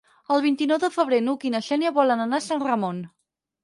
El vint-i-nou de febrer n'Hug i na Xènia volen anar a Sant Ramon.